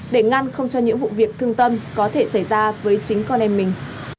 để ngăn không cho những vụ việc thương tâm có thể xảy ra với chính con em mình